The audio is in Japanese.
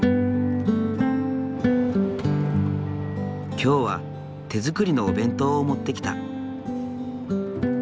今日は手作りのお弁当を持ってきた。